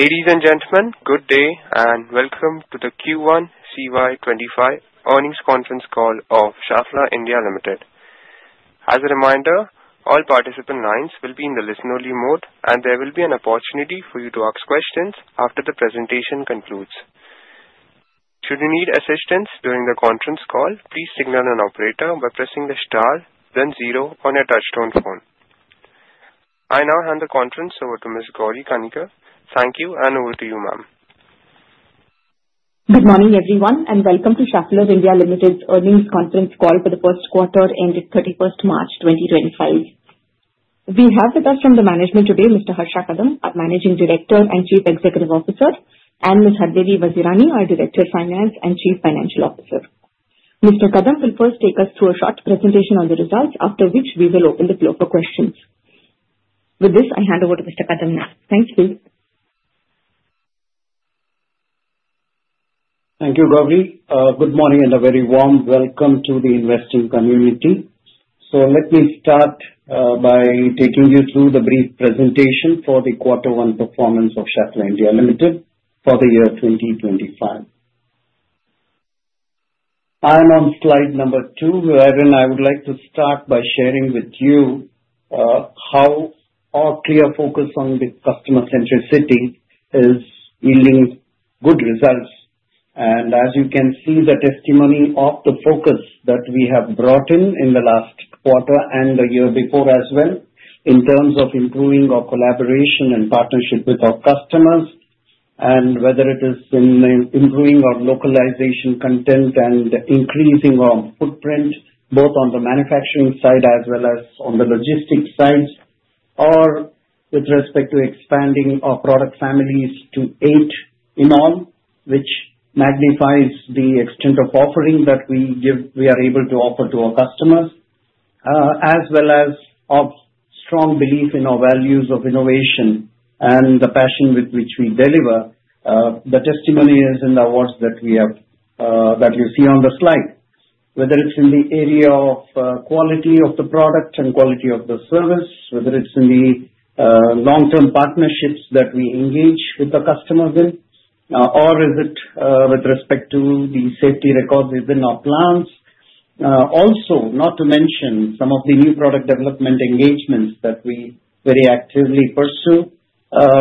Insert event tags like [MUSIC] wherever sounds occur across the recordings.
Ladies and gentlemen, good day and welcome to the Q1 CY 2025 earnings conference call of Schaeffler India Limited. As a reminder, all participant lines will be in the listen-only mode, and there will be an opportunity for you to ask questions after the presentation concludes. Should you need assistance during the conference call, please signal an operator by pressing the star, then zero on your touch-tone phone. I now hand the conference over to Ms. Gauri Kanikar. Thank you, and over to you, ma'am. Good morning, everyone, and welcome to Schaeffler India Limited's earnings conference call for the first quarter ended 31st March 2025. We have with us from the management today Mr. Harsha Kadam, our Managing Director and Chief Executive Officer, and Ms. Hardevi Vazirani, our Director of Finance and Chief Financial Officer. Mr. Kadam will first take us through a short presentation on the results, after which we will open the floor for questions. With this, I hand over to Mr. Kadam now. Thank you. Thank you, Gauri. Good morning and a very warm welcome to the investing community. So let me start by taking you through the brief presentation for the quarter one performance of Schaeffler India Limited for the year 2025. I am on slide number two, wherein I would like to start by sharing with you how our clear focus on the customer-centricity is yielding good results. As you can see, the testimony to the focus that we have brought in the last quarter and the year before as well, in terms of improving our collaboration and partnership with our customers, and whether it is in improving our local content and increasing our footprint both on the manufacturing side as well as on the logistics side, or with respect to expanding our product families to eight in all, which magnifies the extent of offering that we are able to offer to our customers, as well as our strong belief in our values of innovation and the passion with which we deliver. The testimony is in the awards that you see on the slide, whether it's in the area of quality of the product and quality of the service, whether it's in the long-term partnerships that we engage with the customers in, or is it with respect to the safety records within our plants. Also, not to mention some of the new product development engagements that we very actively pursue,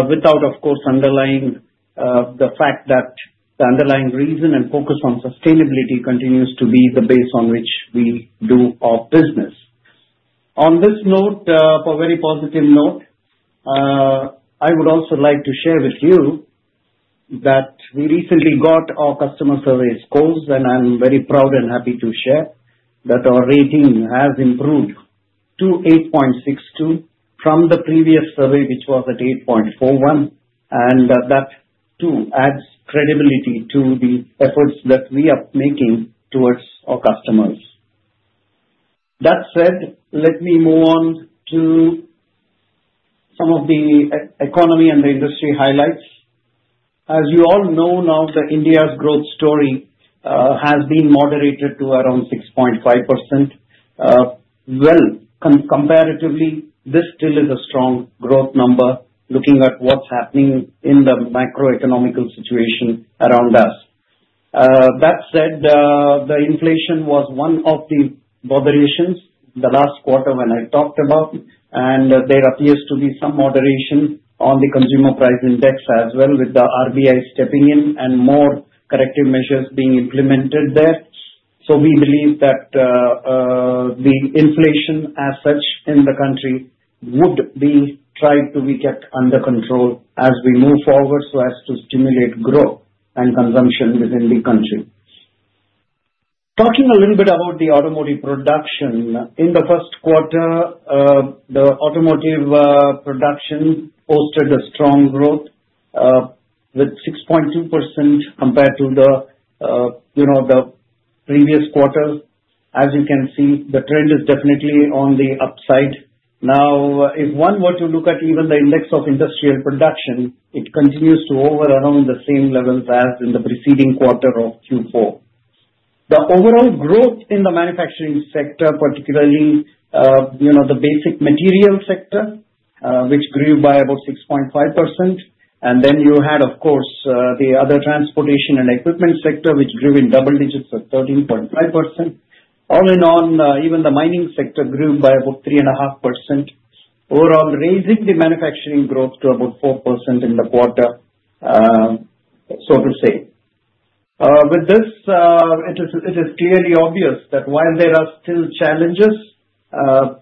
without, of course, underlying the fact that the underlying reason and focus on sustainability continues to be the base on which we do our business. On this note, for a very positive note, I would also like to share with you that we recently got our customer survey scores, and I'm very proud and happy to share that our rating has improved to 8.62 from the previous survey, which was at 8.41, and that too adds credibility to the efforts that we are making towards our customers. That said, let me move on to some of the economy and the industry highlights. As you all know, now India's growth story has been moderated to around 6.5%. Well, comparatively, this still is a strong growth number looking at what's happening in the macroeconomic situation around us. That said, the inflation was one of the moderations the last quarter when I talked about, and there appears to be some moderation on the Consumer Price Index as well, with the RBI stepping in and more corrective measures being implemented there. So we believe that the inflation as such in the country would be tried to be kept under control as we move forward so as to stimulate growth and consumption within the country. Talking a little bit about the automotive production, in the first quarter, the automotive production posted a strong growth with 6.2% compared to the previous quarter. As you can see, the trend is definitely on the upside. Now, if one were to look at even the Index of Industrial Production, it continues to hover around the same levels as in the preceding quarter of Q4. The overall growth in the manufacturing sector, particularly the basic materials sector, which grew by about 6.5%, and then you had, of course, the other transportation and equipment sector, which grew in double digits at 13.5%. All in all, even the mining sector grew by about 3.5%, overall raising the manufacturing growth to about 4% in the quarter, so to say. With this, it is clearly obvious that while there are still challenges,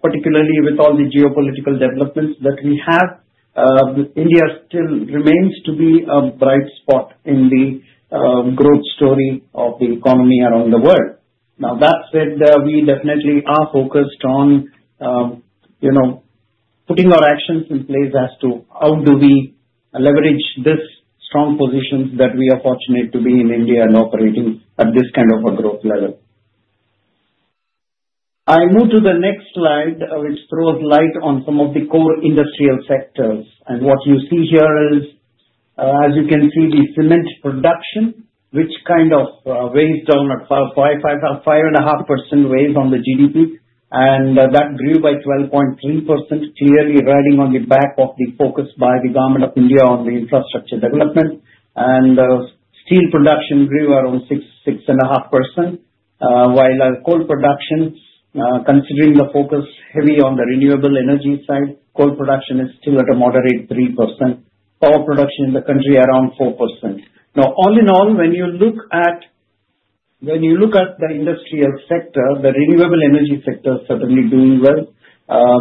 particularly with all the geopolitical developments that we have, India still remains to be a bright spot in the growth story of the economy around the world. Now, that said, we definitely are focused on putting our actions in place as to how do we leverage this strong position that we are fortunate to be in India and operating at this kind of a growth level. I move to the next slide, which throws light on some of the core industrial sectors. What you see here is, as you can see, the cement production, which kind of weighs down at 5.5%. 5.5% weighs on the GDP, and that grew by 12.3%, clearly riding on the back of the focus by the Government of India on the infrastructure development. Steel production grew around 6.5%, while coal production, considering the focus heavy on the renewable energy side, is still at a moderate 3%. Power production in the country is around 4%. Now, all in all, when you look at the industrial sector, the renewable energy sector is certainly doing well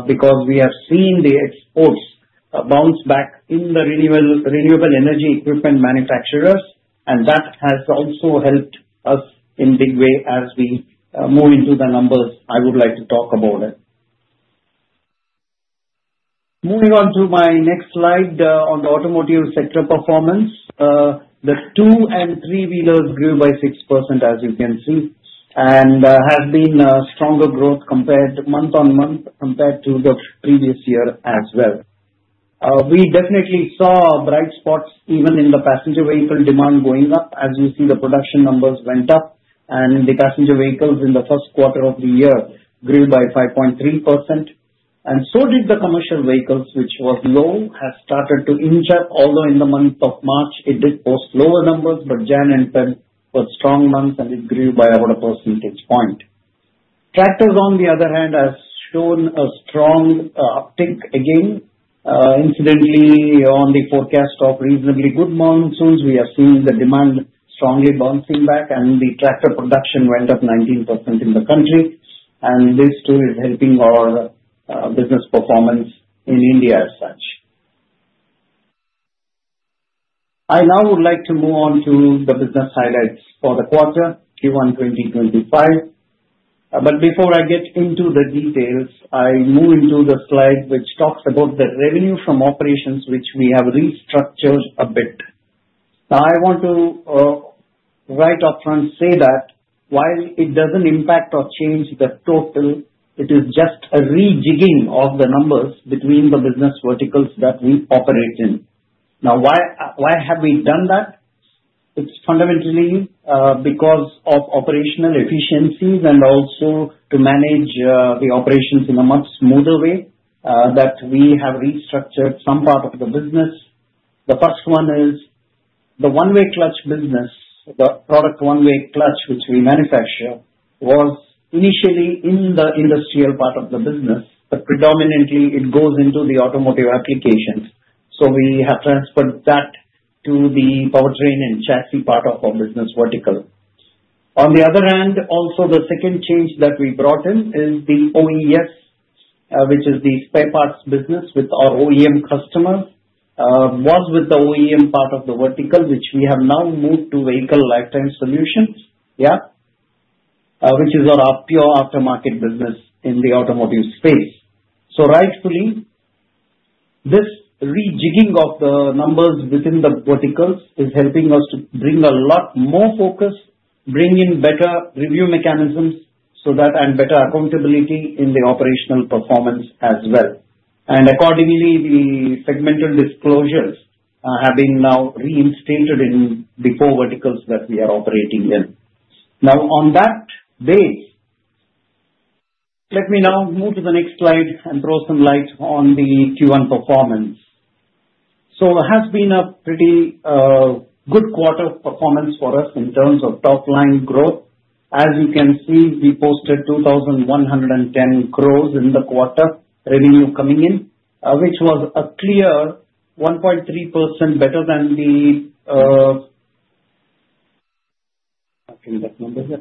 because we have seen the exports bounce back in the renewable energy equipment manufacturers, and that has also helped us in a big way as we move into the numbers I would like to talk about. Moving on to my next slide on the automotive sector performance, the two and three-wheelers grew by 6%, as you can see, and has been a stronger growth month on month compared to the previous year as well. We definitely saw bright spots even in the passenger vehicle demand going up as you see the production numbers went up, and the passenger vehicles in the first quarter of the year grew by 5.3%, and so did the commercial vehicles, which was low, has started to inch up. Although in the month of March, it did post lower numbers, but January and February were strong months, and it grew by about a percentage point. Tractors, on the other hand, have shown a strong uptick again. Incidentally, on the forecast of reasonably good monsoons, we have seen the demand strongly bouncing back, and the tractor production went up 19% in the country, and this too is helping our business performance in India as such. I now would like to move on to the business highlights for the quarter, Q1 2025. But before I get into the details, I move into the slide which talks about the revenue from operations, which we have restructured a bit. Now, I want to right up front say that while it doesn't impact or change the total, it is just a rejigging of the numbers between the business verticals that we operate in. Now, why have we done that? It's fundamentally because of operational efficiencies and also to manage the operations in a much smoother way that we have restructured some part of the business. The first one is the one-way clutch business, the product one-way clutch, which we manufacture, was initially in the industrial part of the business, but predominantly it goes into the automotive applications. So we have transferred that to the powertrain and chassis part of our business vertical. On the other hand, also the second change that we brought in is the OES, which is the spare parts business with our OEM customers, was with the OEM part of the vertical, which we have now moved to Vehicle Lifetime Solutions, yeah, which is our pure aftermarket business in the automotive space. Rightfully, this rejigging of the numbers within the verticals is helping us to bring a lot more focus, bring in better review mechanisms and better accountability in the operational performance as well. Accordingly, the segmental disclosures have been now reinstated in the four verticals that we are operating in. Now, on that base, let me now move to the next slide and throw some light on the Q1 performance. It has been a pretty good quarter of performance for us in terms of top-line growth. As you can see, we posted 2010 growth in the quarter revenue coming in, which was a clear 1.3% better than the—yeah, we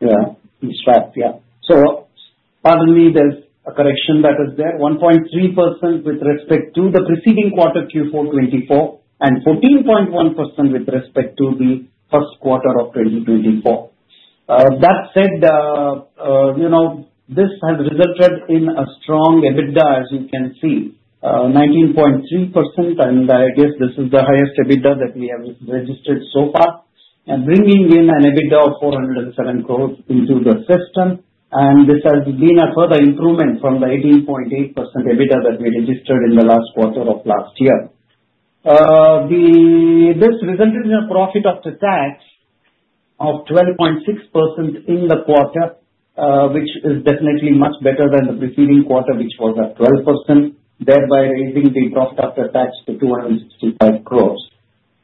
swapped, yeah. Pardon me, there's a correction that is there. 1.3% with respect to the preceding quarter, Q4 2024, and 14.1% with respect to the first quarter of 2024. That said, this has resulted in a strong EBITDA, as you can see, 19.3%, and I guess this is the highest EBITDA that we have registered so far, bringing in an EBITDA of 407 growth into the system. And this has been a further improvement from the 18.8% EBITDA that we registered in the last quarter of last year. This resulted in a profit after tax of 12.6% in the quarter, which is definitely much better than the preceding quarter, which was at 12%, thereby raising the profit after tax to 265 growth.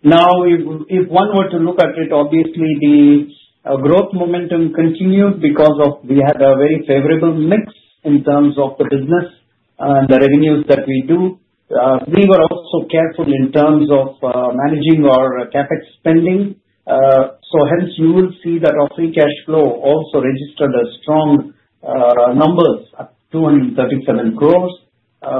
Now, if one were to look at it, obviously, the growth momentum continued because we had a very favorable mix in terms of the business and the revenues that we do. We were also careful in terms of managing our CapEx spending. So hence, you will see that our free cash flow also registered strong numbers at 237 crore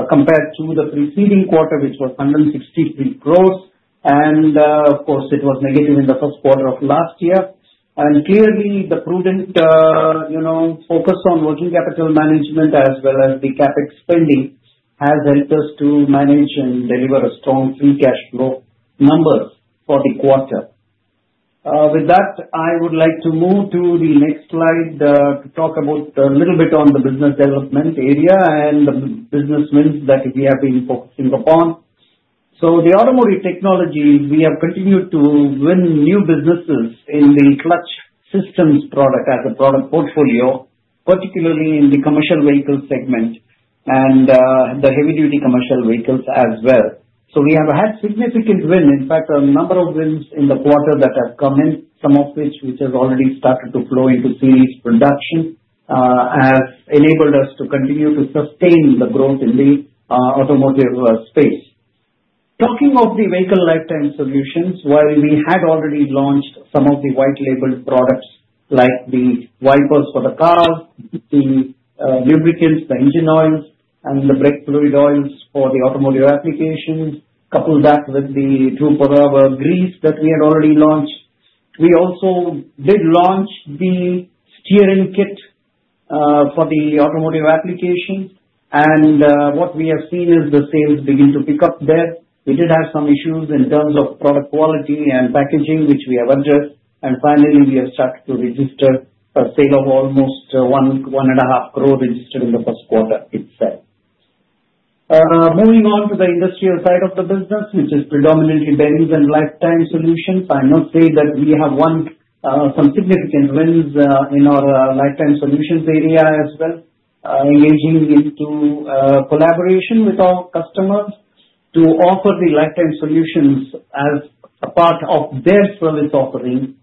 compared to the preceding quarter, which was 163 crore, and of course, it was negative in the first quarter of last year, and clearly, the prudent focus on working capital management as well as the CapEx spending has helped us to manage and deliver a strong free cash flow number for the quarter. With that, I would like to move to the next slide to talk a little bit about the business development area and the business wins that we have been focusing upon, so the Automotive Technologies, we have continued to win new businesses in the clutch systems product as a product portfolio, particularly in the commercial vehicle segment and the heavy-duty commercial vehicles as well, so we have had significant wins. In fact, a number of wins in the quarter that have come in, some of which have already started to flow into series production, have enabled us to continue to sustain the growth in the automotive space. Talking of the Vehicle Lifetime Solutions, while we had already launched some of the white-labeled products like the wipers for the car, the lubricants, the engine oils, and the brake fluid oils for the automotive applications, coupled that with the 2.0 grease that we had already launched. We also did launch the steering kit for the automotive application, and what we have seen is the sales begin to pick up there. We did have some issues in terms of product quality and packaging, which we have addressed. And finally, we have started to register a sale of almost 1.5 growth registered in the first quarter itself. Moving on to the industrial side of the business, which is predominantly bearings and lifetime solutions, I must say that we have won some significant wins in our lifetime solutions area as well, engaging in collaboration with our customers to offer the lifetime solutions as a part of their service offering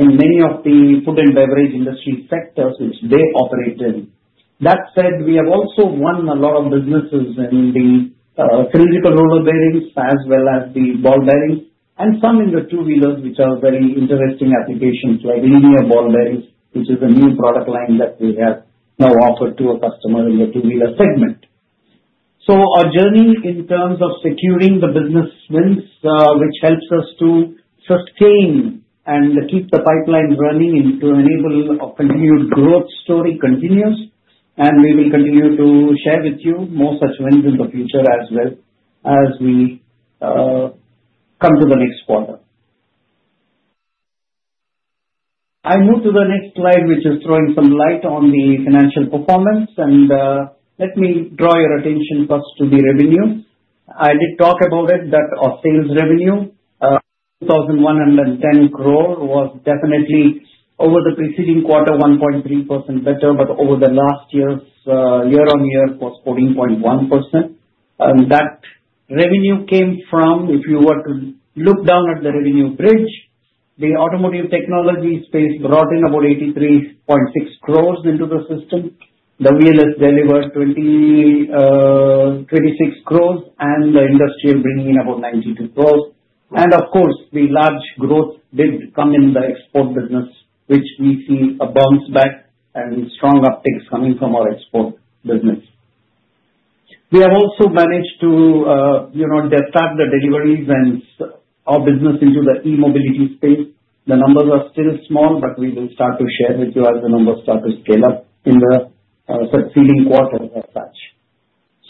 in many of the food and beverage industry sectors which they operate in. That said, we have also won a lot of businesses in the cylindrical roller bearings as well as the ball bearings and some in the two-wheelers, which are very interesting applications like linear ball bearings, which is a new product line that we have now offered to a customer in the two-wheeler segment. So our journey in terms of securing the business wins, which helps us to sustain and keep the pipeline running to enable a continued growth story continues, and we will continue to share with you more such wins in the future as well as we come to the next quarter. I move to the next slide, which is throwing some light on the financial performance, and let me draw your attention first to the revenue. I did talk about it that our sales revenue, 2,110 crores, was definitely over the preceding quarter 1.3% better, but over the last year's year-on-year was 14.1%. And that revenue came from, if you were to look down at the revenue bridge, the automotive technology space brought in about 83.6 crores into the system. The two-wheelers delivered 26 crores, and the industrial bringing in about 92 crores. Of course, the large growth did come in the export business, which we see a bounce back and strong upticks coming from our export business. We have also managed to start the deliveries and our business into the e-mobility space. The numbers are still small, but we will start to share with you as the numbers start to scale up in the subsequent quarters as such.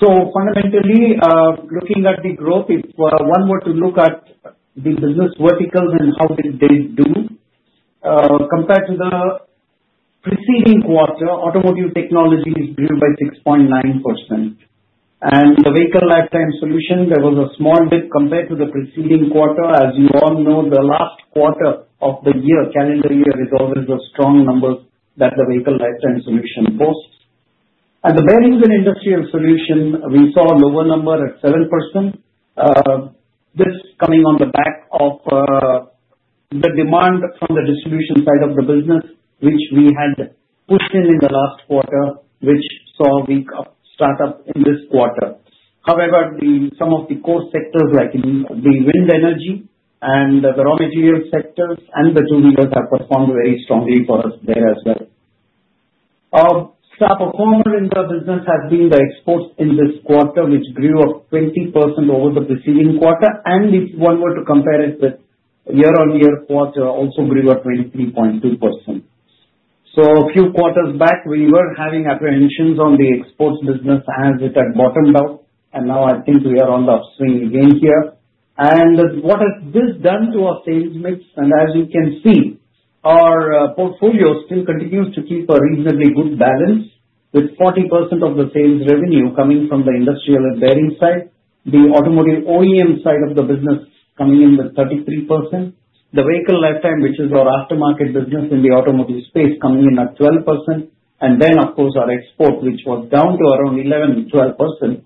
Fundamentally, looking at the growth, if one were to look at the business verticals and how did they do, compared to the preceding quarter, automotive technology grew by 6.9%. The vehicle lifetime solution had a small dip compared to the preceding quarter. As you all know, the last quarter of the year, calendar year, is always a strong number that the vehicle lifetime solution boasts. The Bearings and Industrial Solutions division saw a lower number at 7%. This came on the back of the demand from the distribution side of the business, which we had pushed in the last quarter and which saw a weak startup in this quarter. However, some of the core sectors like the wind energy and the raw material sectors and the two-wheelers have performed very strongly for us there as well. Our performer in the business has been the exports in this quarter, which grew up 20% over the preceding quarter. And if one were to compare it with year-on-year quarter, it also grew at 23.2%. So a few quarters back, we were having apprehensions on the exports business as it had bottomed out, and now I think we are on the upswing again here. And what has this done to our sales mix? As you can see, our portfolio still continues to keep a reasonably good balance with 40% of the sales revenue coming from the industrial and bearing side, the automotive OEM side of the business coming in with 33%, the vehicle lifetime, which is our aftermarket business in the automotive space, coming in at 12%, and then, of course, our export, which was down to around 11%-12%,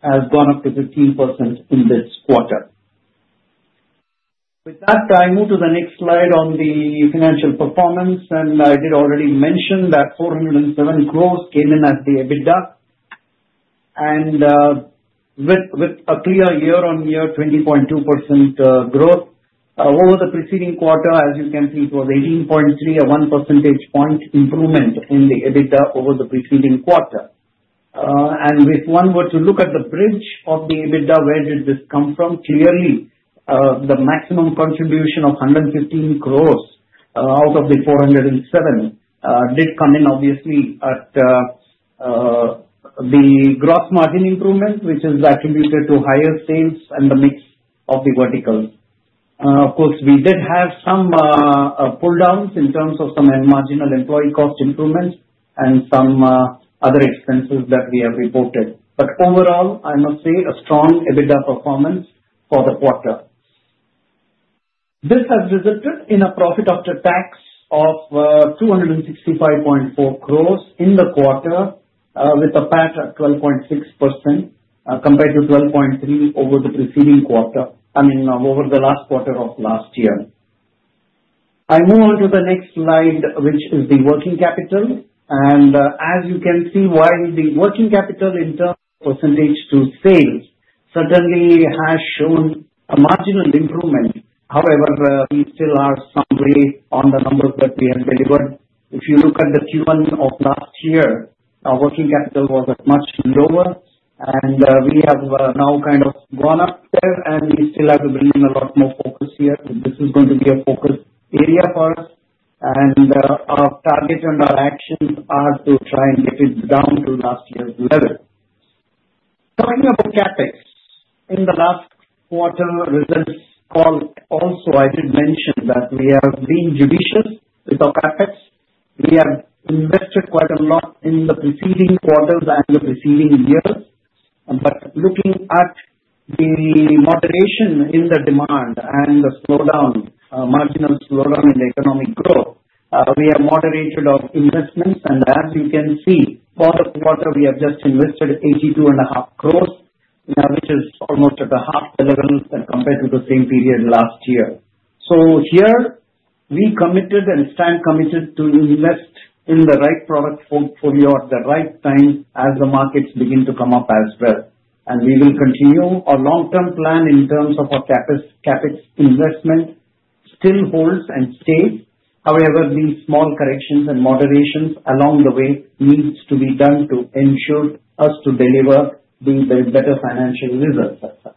has gone up to 15% in this quarter. With that, I move to the next slide on the financial performance, and I did already mention that 407 crores came in as the EBITDA, and with a clear year-on-year 20.2% growth over the preceding quarter, as you can see, it was 18.3, a 1 percentage point improvement in the EBITDA over the preceding quarter. If one were to look at the bridge of the EBITDA, where did this come from? Clearly, the maximum contribution of 115 crores out of the 407 crores did come in, obviously, at the gross margin improvement, which is attributed to higher sales and the mix of the verticals. Of course, we did have some pull-downs in terms of some marginal employee cost improvements and some other expenses that we have reported. But overall, I must say a strong EBITDA performance for the quarter. This has resulted in a profit after tax of 265.4 crores in the quarter with a PAT at 12.6% compared to 12.3% over the preceding quarter, I mean, over the last quarter of last year. I move on to the next slide, which is the working capital. And as you can see, while the working capital in terms of percentage to sales certainly has shown a marginal improvement, however, we still are some way on the numbers that we have delivered. If you look at the Q1 of last year, our working capital was much lower, and we have now kind of gone up there, and we still have to bring in a lot more focus here. This is going to be a focus area for us, and our target and our actions are to try and get it down to last year's level. Talking about CapEx, in the last quarter results call, also, I did mention that we have been judicious with our CapEx. We have invested quite a lot in the preceding quarters and the preceding years. But looking at the moderation in the demand and the slowdown, marginal slowdown in the economic growth, we have moderated our investments. As you can see, for the quarter, we have just invested 82.5 crores, which is almost at a half the level compared to the same period last year. So here, we committed and stand committed to invest in the right product portfolio at the right time as the markets begin to come up as well, and we will continue our long-term plan in terms of our CapEx investment still holds and stays. However, these small corrections and moderations along the way need to be done to ensure us to deliver the better financial results as such.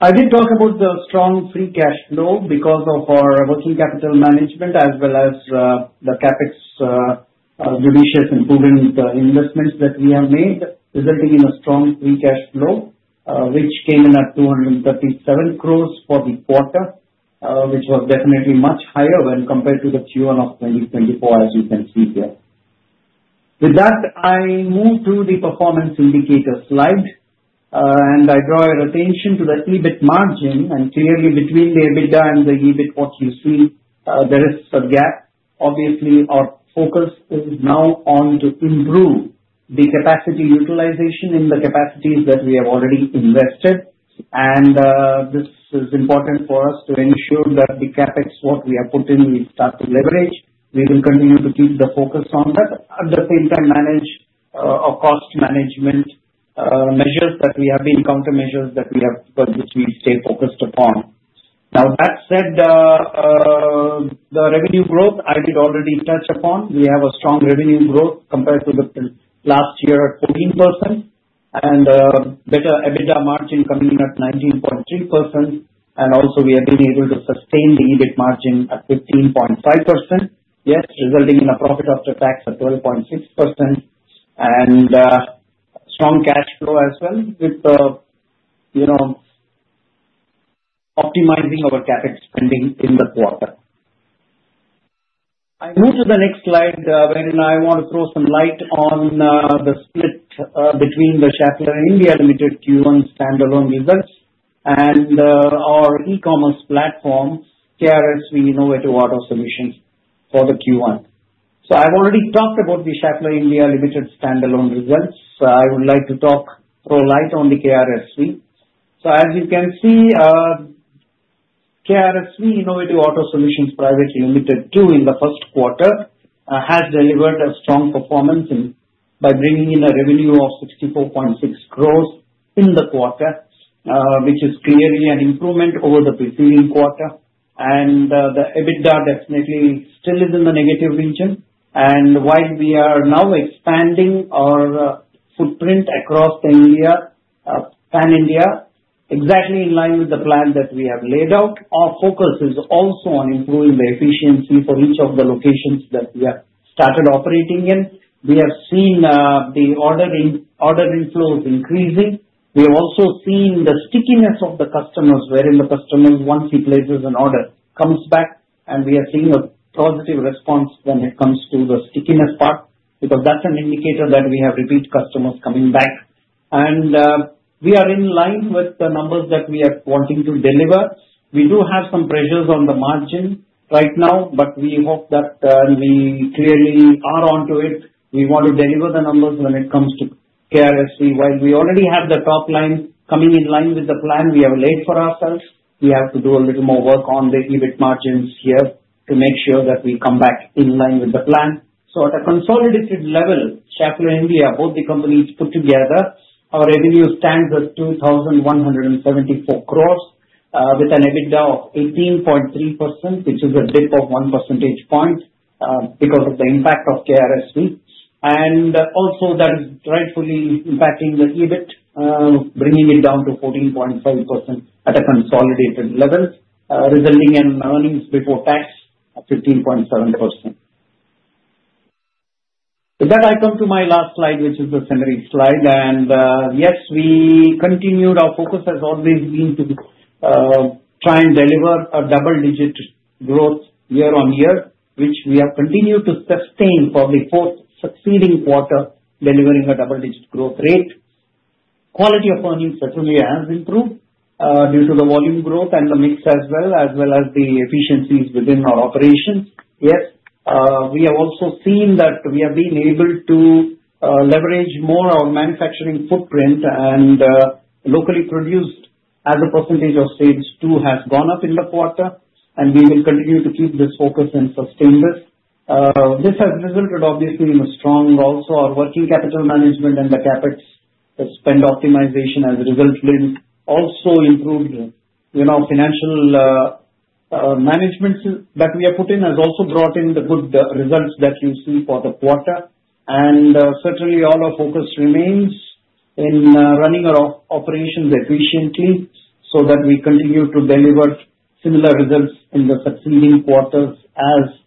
I did talk about the strong free cash flow because of our working capital management as well as the CapEx judicious improving the investments that we have made, resulting in a strong free cash flow, which came in at 237 crores for the quarter, which was definitely much higher when compared to the Q1 of 2024, as you can see here. With that, I move to the performance indicator slide, and I draw your attention to the EBIT margin. And clearly, between the EBITDA and the EBIT, what you see, there is a gap. Obviously, our focus is now on to improve the capacity utilization in the capacities that we have already invested. And this is important for us to ensure that the CapEx, what we have put in, we start to leverage. We will continue to keep the focus on that. At the same time, manage our cost management measures that we have been, countermeasures that we have put, which we stay focused upon. Now, that said, the revenue growth, I did already touch upon. We have a strong revenue growth compared to last year at 14% and better EBITDA margin coming in at 19.3%. Also, we have been able to sustain the EBIT margin at 15.5%, yes, resulting in a profit after tax at 12.6% and strong cash flow as well with optimizing our CapEx spending in the quarter. I move to the next slide when I want to throw some light on the split between the Schaeffler India Limited Q1 standalone results and our e-commerce platform, KRSV Innovative Auto Solutions for the Q1. I've already talked about the Schaeffler India Limited standalone results. I would like to throw light on the KRSV. As you can see, KRSV Innovative Auto Solutions Pvt. Ltd. in the first quarter has delivered a strong performance by bringing in a revenue of 64.6 crores in the quarter, which is clearly an improvement over the preceding quarter. The EBITDA definitely still is in the negative region. While we are now expanding our footprint across India, Pan India, exactly in line with the plan that we have laid out, our focus is also on improving the efficiency for each of the locations that we have started operating in. We have seen the order inflows increasing. We have also seen the stickiness of the customers, wherein the customer, once he places an order, comes back, and we are seeing a positive response when it comes to the stickiness part because that's an indicator that we have repeat customers coming back. We are in line with the numbers that we are wanting to deliver. We do have some pressures on the margin right now, but we hope that we clearly are onto it. We want to deliver the numbers when it comes to KRSV. While we already have the top line coming in line with the plan, we have a laid for ourselves. We have to do a little more work on the EBIT margins here to make sure that we come back in line with the plan. At a consolidated level, Schaeffler India, both the companies put together, our revenue stands at 2,174 crores with an EBITDA of 18.3%, which is a dip of 1 percentage point because of the impact of KRSV. And also, that is rightfully impacting the EBIT, bringing it down to 14.5% at a consolidated level, resulting in earnings before tax of 15.7%. With that, I come to my last slide, which is the summary slide. Yes, we continued our focus, as always, being to try and deliver a double-digit growth year-on-year, which we have continued to sustain for the fourth succeeding quarter, delivering a double-digit growth rate. Quality of earnings certainly has improved due to the volume growth and the mix as well, as well as the efficiencies within our operations. Yes, we have also seen that we have been able to leverage more our manufacturing footprint and locally produced as a percentage of sales too has gone up in the quarter, and we will continue to keep this focus and sustain this. This has resulted, obviously, in a strong also our working capital management and the CapEx spend optimization as a result also improved. Financial management that we have put in has also brought in the good results that you see for the quarter. And certainly, all our focus remains in running our operations efficiently so that we continue to deliver similar results in the succeeding quarters as we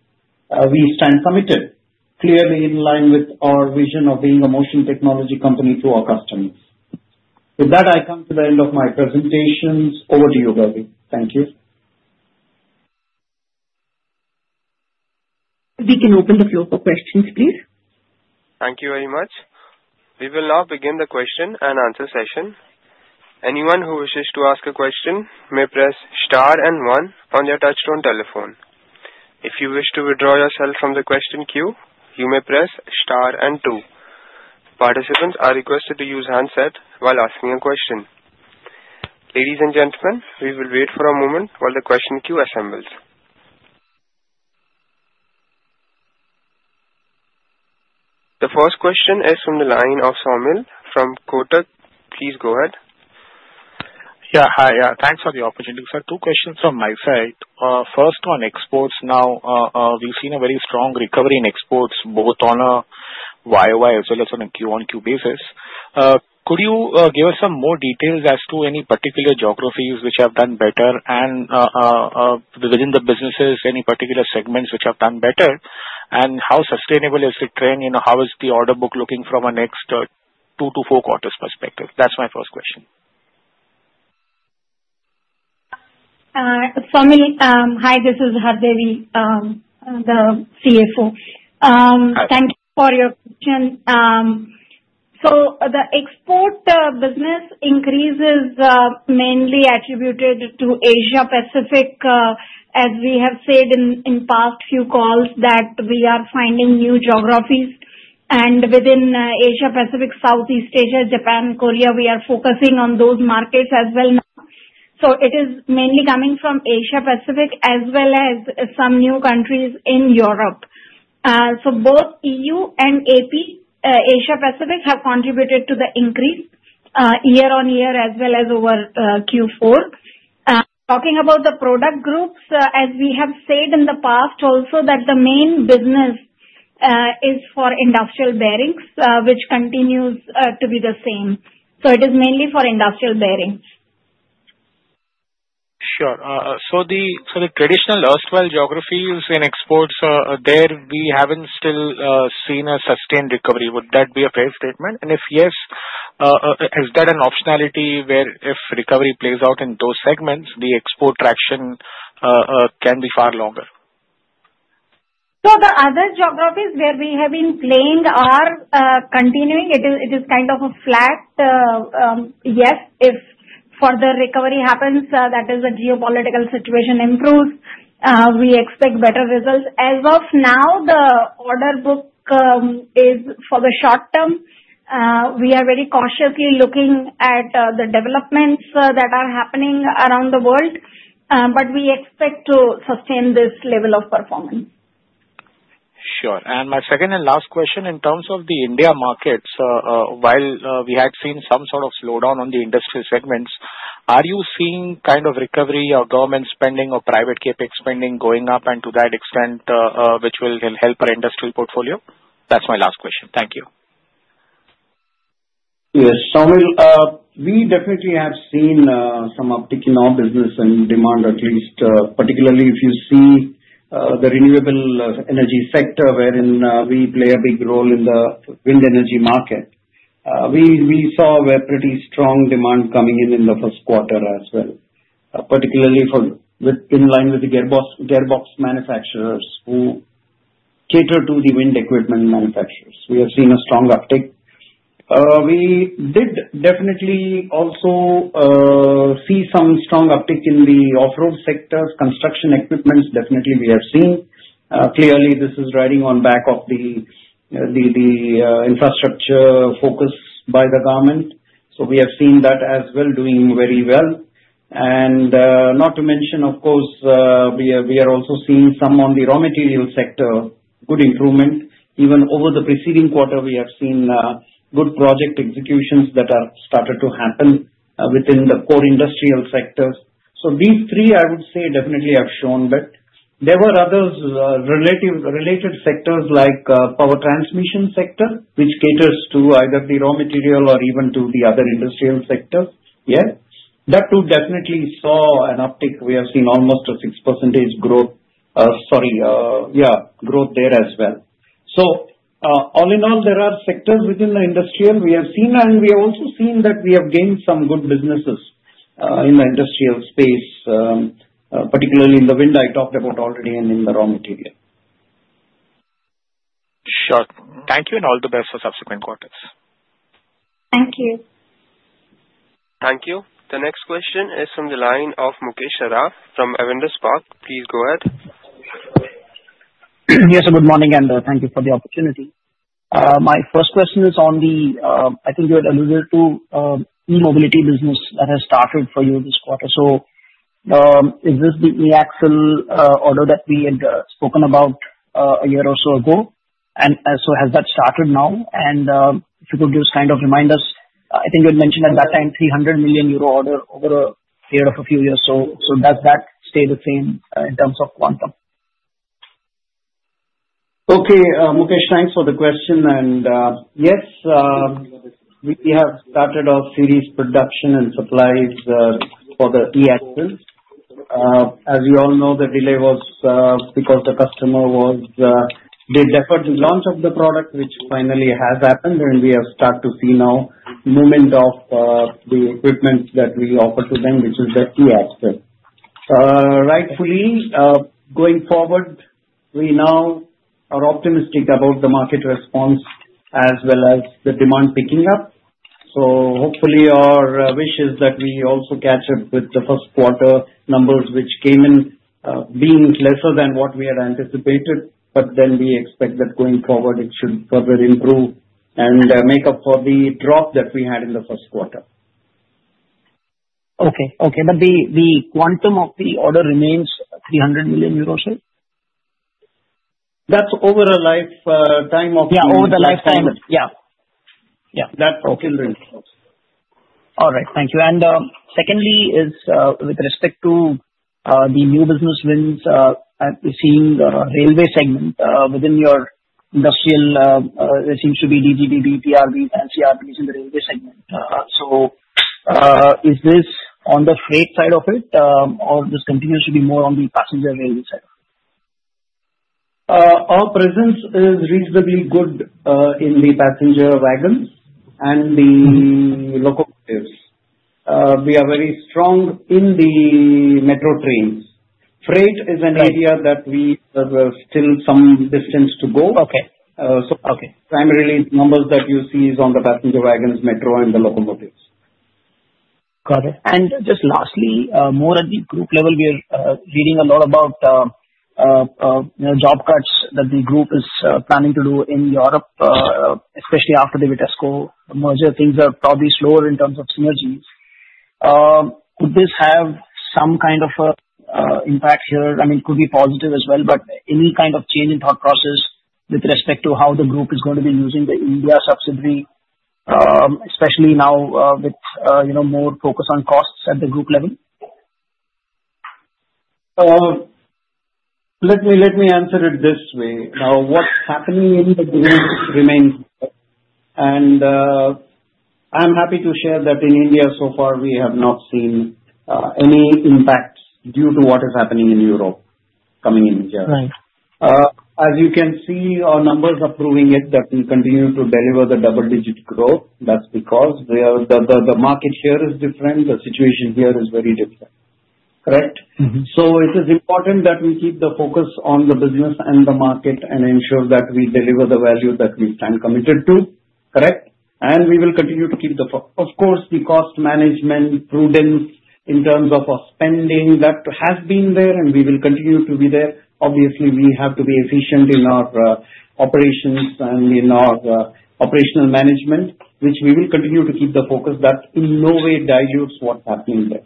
stand committed, clearly in line with our vision of being a motion technology company to our customers. With that, I come to the end of my presentations. Over to you, Gauri. Thank you. We can open the floor for questions, please. Thank you very much. We will now begin the question and answer session. Anyone who wishes to ask a question may press star and one on their touch-tone telephone. If you wish to withdraw yourself from the question queue, you may press star and two. Participants are requested to use handset while asking a question. Ladies and gentlemen, we will wait for a moment while the question queue assembles. The first question is from the line of Shamil from Kotak. Please go ahead. Yeah, hi. Thanks for the opportunity. Sir, two questions from my side. First, on exports now, we've seen a very strong recovery in exports, both on a YOY as well as on a Q1Q basis. Could you give us some more details as to any particular geographies which have done better and within the businesses, any particular segments which have done better, and how sustainable is the trend? How is the order book looking from a next two to four quarters perspective? That's my first question. Shamil, hi. This is Hardevi, the CFO. Thank you for your question. So the export business increase is mainly attributed to Asia-Pacific, as we have said in past few calls, that we are finding new geographies. And within Asia-Pacific, Southeast Asia, Japan, Korea, we are focusing on those markets as well now. So it is mainly coming from Asia-Pacific as well as some new countries in Europe. So both EU and AP, Asia-Pacific have contributed to the increase year-on-year as well as over Q4. Talking about the product groups, as we have said in the past also that the main business is for industrial bearings, which continues to be the same. So it is mainly for industrial bearings. Sure. So the traditional erstwhile geographies in exports, there we haven't still seen a sustained recovery. Would that be a fair statement, and if yes, is that an optionality where if recovery plays out in those segments, the export traction can be far longer? So the other geographies where we have been playing are continuing. It is kind of a flat, yes, if further recovery happens, that is, the geopolitical situation improves, we expect better results. As of now, the order book is for the short term. We are very cautiously looking at the developments that are happening around the world, but we expect to sustain this level of performance. Sure. And my second and last question in terms of the India markets, while we had seen some sort of slowdown on the industrial segments, are you seeing kind of recovery or government spending or private CapEx spending going up and to that extent, which will help our industrial portfolio? That's my last question. Thank you. Yes, Shamil, we definitely have seen some uptick in our business and demand, at least particularly if you see the renewable energy sector, wherein we play a big role in the wind energy market. We saw a pretty strong demand coming in in the first quarter as well, particularly in line with the gearbox manufacturers who cater to the wind equipment manufacturers. We have seen a strong uptick. We did definitely also see some strong uptick in the off-road sectors. Construction equipment, definitely we have seen. Clearly, this is riding on back of the infrastructure focus by the government. So we have seen that as well doing very well. And not to mention, of course, we are also seeing some on the raw material sector, good improvement. Even over the preceding quarter, we have seen good project executions that have started to happen within the core industrial sectors. So these three, I would say, definitely have shown a bit. There were other related sectors like the power transmission sector, which caters to either the raw material or even to the other industrial sectors. Yeah, that too definitely saw an uptick. We have seen almost a 6% growth, sorry, yeah, growth there as well. So all in all, there are sectors within the industrial we have seen, and we have also seen that we have gained some good businesses in the industrial space, particularly in the wind I talked about already and in the raw material. Sure. Thank you, and all the best for subsequent quarters. Thank you. Thank you. The next question is from the line of Mukesh Saraf from Avendus Spark. Please go ahead. Yes, good morning, and thank you for the opportunity. My first question is on the, I think you had alluded to, e-mobility business that has started for you this quarter. So is this the axle order that we had spoken about a year or so ago? And so has that started now? And if you could just kind of remind us, I think you had mentioned at that time 300 million euro order over a period of a few years. So does that stay the same in terms of quantum? Okay, Mukesh, thanks for the question, and yes, we have started our series production and supplies for the e-axle. As you all know, the delay was because the customer was, they deferred the launch of the product, which finally has happened, and we have started to see now movement of the equipment that we offer to them, which is the e-axle. Rightfully, going forward, we now are optimistic about the market response as well as the demand picking up, so hopefully, our wish is that we also catch up with the first quarter numbers, which came in being lesser than what we had anticipated, but then we expect that going forward, it should further improve and make up for the drop that we had in the first quarter. Okay. Okay. But the quantum of the order remains 300 million euros, right? That's over a lifetime of the e-axle. Yeah, over the lifetime. Yeah. That's still in place. All right. Thank you. And secondly, with respect to the new business wins, we're seeing the railway segment within your industrial. There seems to be DGBB, TRBs, and CRBs in the railway segment. So is this on the freight side of it, or this continues to be more on the passenger railway side? Our presence is reasonably good in the passenger wagons and the locomotives. We are very strong in the metro trains. Freight is an area that we have still some distance to go, so primarily, the numbers that you see is on the passenger wagons, metro, and the locomotives. Got it. And just lastly, more at the group level, we are reading a lot about job cuts that the group is planning to do in Europe, especially after the Vitesco merger. Things are probably slower in terms of synergies. Could this have some kind of an impact here? I mean, it could be positive as well, but any kind of change in thought process with respect to how the group is going to be using the India subsidiary, especially now with more focus on costs at the group level? Let me answer it this way. Now, what's happening in the group remains there. And I'm happy to share that in India, so far, we have not seen any impact due to what is happening in Europe coming in here. As you can see, our numbers are proving it that we continue to deliver the double-digit growth. That's because the market share is different. The situation here is very different, correct? So it is important that we keep the focus on the business and the market and ensure that we deliver the value that we stand committed to, correct? And we will continue to keep the, of course, the cost management prudence in terms of our spending that has been there, and we will continue to be there. Obviously, we have to be efficient in our operations and in our operational management, which we will continue to keep the focus that in no way dilutes what's happening there.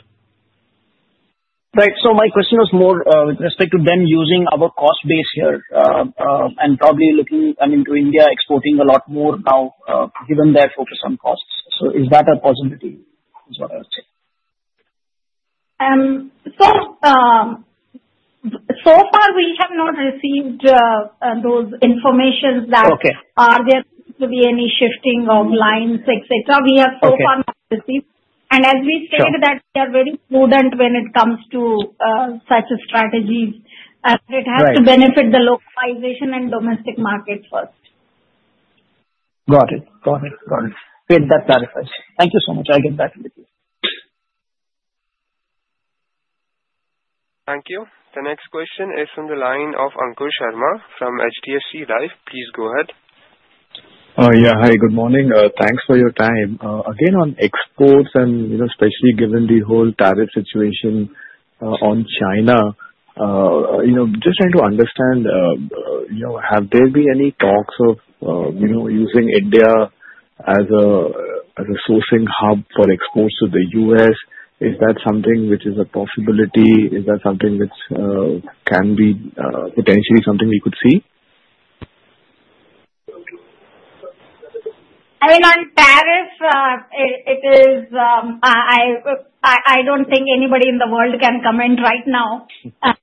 Right. So my question was more with respect to them using our cost base here and probably looking, I mean, to India exporting a lot more now given their focus on costs. So is that a possibility is what I would say? So far, we have not received those information that are there to be any shifting of lines, etc. As we stated that we are very prudent when it comes to such a strategy, as it has to benefit the localization and domestic market first. Got it. Got it. Got it. Great. That clarifies. Thank you so much. I'll get back to you. Thank you. The next question is from the line of Ankur Sharma from HDFC Life. Please go ahead. Yeah. Hi, good morning. Thanks for your time. Again, on exports and especially given the whole tariff situation on China, just trying to understand, have there been any talks of using India as a sourcing hub for exports to the U.S.? Is that something which is a possibility? Is that something which can be potentially something we could see? I mean, on tariff, I don't think anybody in the world can comment right now.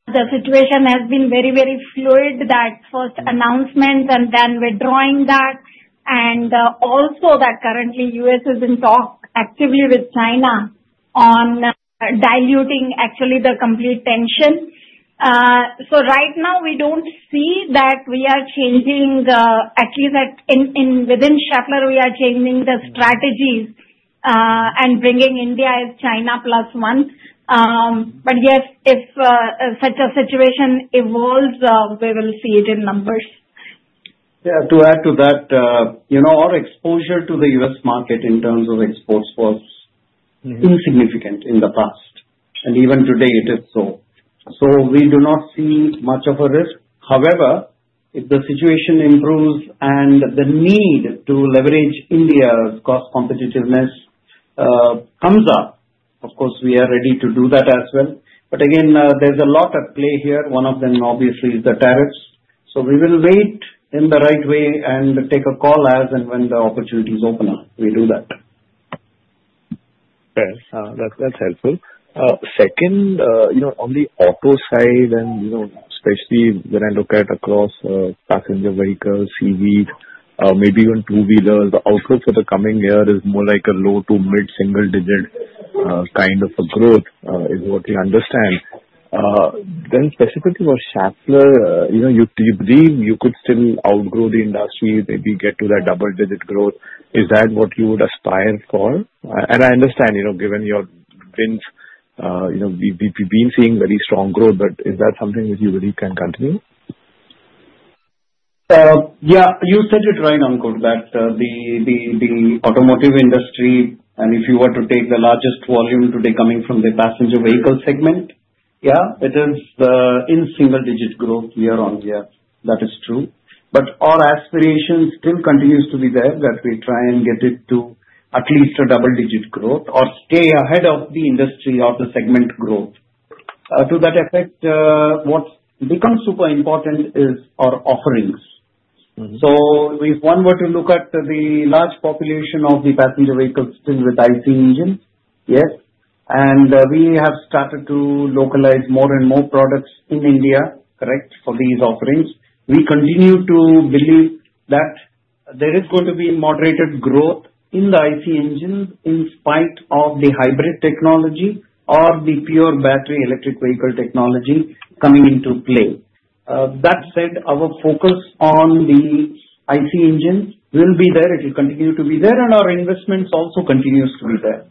The situation has been very, very fluid, that first announcement and then withdrawing that. And also that currently, the U.S. has been talking actively with China on diluting, actually, the complete tension. So right now, we don't see that we are changing, at least within Schaeffler, we are changing the strategies and bringing India as China Plus One. But yes, if such a situation evolves, we will see it in numbers. Yeah. To add to that, our exposure to the U.S. market in terms of exports was insignificant in the past, and even today, it is so, so we do not see much of a risk. However, if the situation improves and the need to leverage India's cost competitiveness comes up, of course, we are ready to do that as well. But again, there's a lot at play here. One of them, obviously, is the tariffs, so we will wait in the right way and take a call as and when the opportunities open up, we do that. Okay. That's helpful. Second, on the auto side, and especially when I look across passenger vehicles, CVs, maybe even two-wheelers, the outlook for the coming year is more like a low to mid-single-digit kind of a growth is what we understand. Then specifically for Schaeffler, you believe you could still outgrow the industry, maybe get to that double-digit growth. Is that what you would aspire for? And I understand, given your wins, we've been seeing very strong growth, but is that something which you really can continue? Yeah. You said it right, Ankur, that the automotive industry, and if you were to take the largest volume today coming from the passenger vehicle segment, yeah, it is in single-digit growth year on year. That is true. But our aspiration still continues to be there that we try and get it to at least a double-digit growth or stay ahead of the industry or the segment growth. To that effect, what becomes super important is our offerings. So if one were to look at the large population of the passenger vehicles still with ICE engines, yes, and we have started to localize more, and more products in India, correct, for these offerings, we continue to believe that there is going to be moderated growth in the ICE engines in spite of the hybrid technology or the pure battery electric vehicle technology coming into play. That said, our focus on the ICE engines will be there. It will continue to be there, and our investments also continue to be there.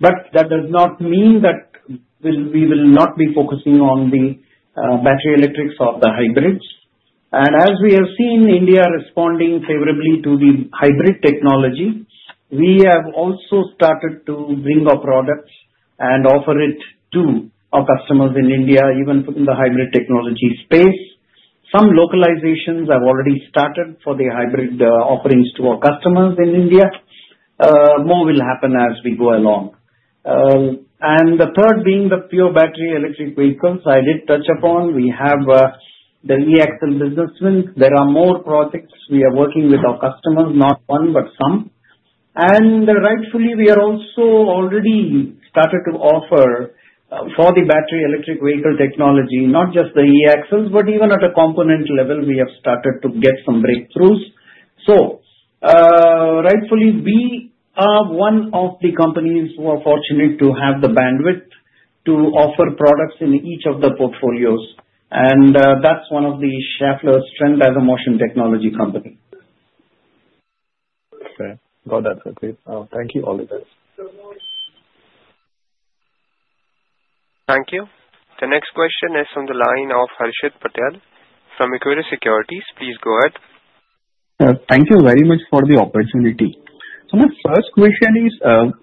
But that does not mean that we will not be focusing on the battery electrics or the hybrids. And as we have seen India responding favorably to the hybrid technology, we have also started to bring our products and offer it to our customers in India, even within the hybrid technology space. Some localizations have already started for the hybrid offerings to our customers in India. More will happen as we go along. And the third being the pure battery electric vehicles I did touch upon. We have the e-axle business wins. There are more projects we are working with our customers, not one, but some. Rightfully, we have also already started to offer for the battery electric vehicle technology, not just the e-axles, but even at a component level, we have started to get some breakthroughs. Rightfully, we are one of the companies who are fortunate to have the bandwidth to offer products in each of the portfolios. That's one of the Schaeffler strengths as a motion technology company. Okay. Got that. [AUDIO DISTORTION] Thank you, all of us. Thank you. The next question is from the line of Harshit Patel from Equirus Securities. Please go ahead. Thank you very much for the opportunity. So my first question is,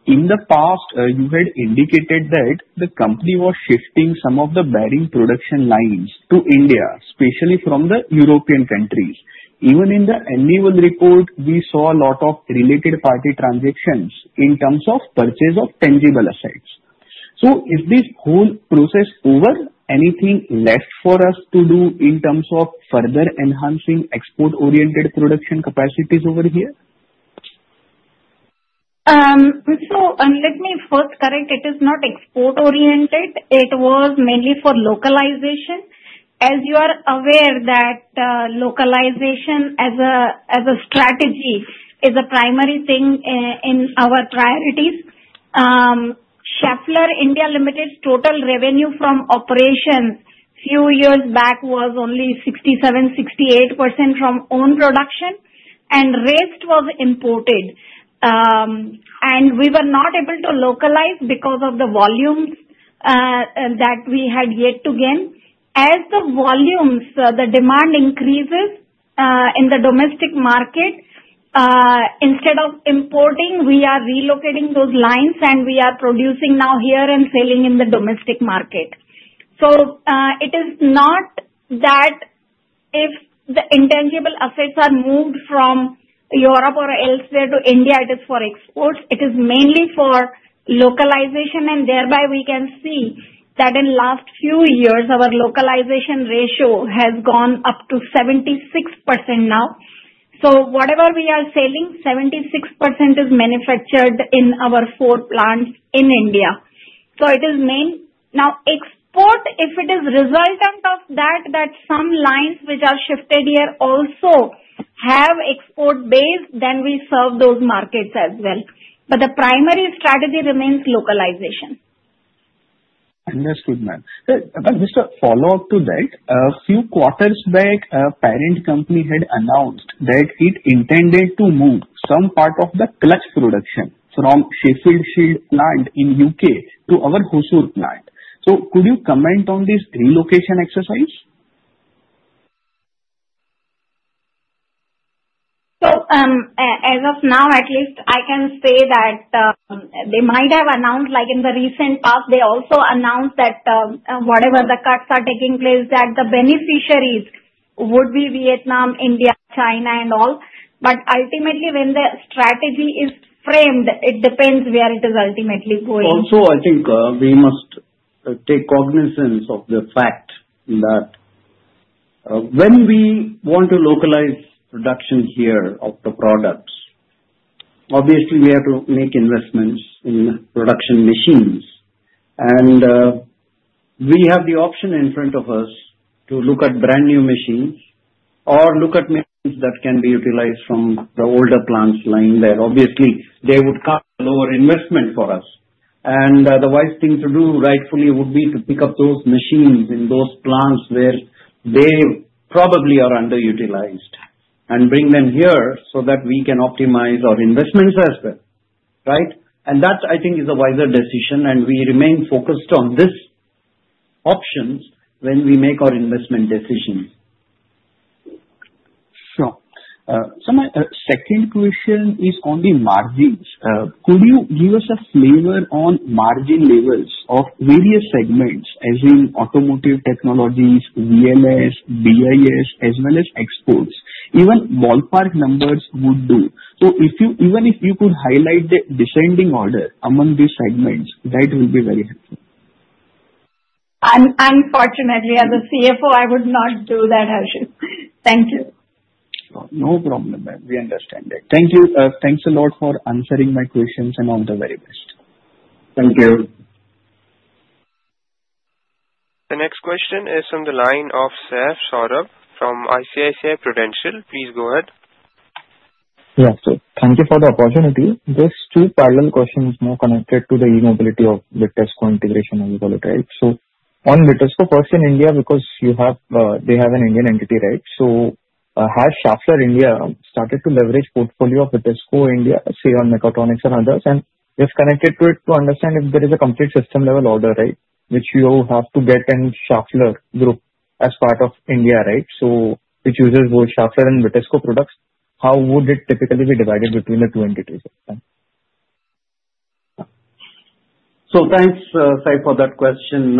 in the past, you had indicated that the company was shifting some of the bearing production lines to India, especially from the European countries. Even in the annual report, we saw a lot of related party transactions in terms of purchase of tangible assets. So is this whole process over? Anything left for us to do in terms of further enhancing export-oriented production capacities over here? So let me first correct it. It is not export-oriented. It was mainly for localization. As you are aware, that localization as a strategy is a primary thing in our priorities. Schaeffler India Limited's total revenue from operations a few years back was only 67%-68% from own production, and rest was imported. And we were not able to localize because of the volumes that we had yet to gain. As the volumes, the demand increases in the domestic market, instead of importing, we are relocating those lines, and we are producing now here and selling in the domestic market. So it is not that if the tangible assets are moved from Europe or elsewhere to India, it is for export. It is mainly for localization, and thereby we can see that in the last few years, our localization ratio has gone up to 76% now. So, whatever we are selling, 76% is manufactured in our four plants in India. So, it is mainly now export, if it is resultant of that some lines which are shifted here also have export base, then we serve those markets as well. But, the primary strategy remains localization. Understood, ma'am. But, a follow-up to that, a few quarters back, a parent company had announced that it intended to move some part of the clutch production from Sheffield plant in U.K. to our Hosur plant. So could you comment on this relocation exercise? So as of now, at least, I can say that they might have announced like in the recent past, they also announced that whatever the cuts are taking place, that the beneficiaries would be Vietnam, India, China, and all. But ultimately, when the strategy is framed, it depends where it is ultimately going. Also, I think we must take cognizance of the fact that when we want to localize production here of the products, obviously, we have to make investments in production machines. And we have the option in front of us to look at brand new machines or look at machines that can be utilized from the older plants lying there. Obviously, they would cost a lower investment for us. And the wise thing to do, rightfully, would be to pick up those machines in those plants where they probably are underutilized and bring them here so that we can optimize our investments as well, right? And that, I think, is a wiser decision, and we remain focused on these options when we make our investment decisions. Sure. So my second question is on the margins. Could you give us a flavor on margin levels of various segments as in Automotive Technologies, VLS, BIS, as well as exports? Even ballpark numbers would do. So even if you could highlight the descending order among these segments, that will be very helpful. Unfortunately, as a CFO, I would not do that, Harshit. Thank you. No problem, ma'am. We understand it. Thank you. Thanks a lot for answering my questions and all the very best. Thank you. The next question is from the line of Saif Saurabh from ICICI Prudential. Please go ahead. Yeah. So thank you for the opportunity. There's two parallel questions more connected to the e-mobility of the Vitesco integration as well, right? So on the Vitesco, first in India, because they have an Indian entity, right? So has Schaeffler India started to leverage the portfolio of Vitesco India, say, on Mechatronics and others? And if connected to it, to understand if there is a complete system-level order, right, which you have to get in Schaeffler Group as part of India, right? So which uses both Schaeffler and Vitesco products, how would it typically be divided between the two entities? So thanks, Saif, for that question.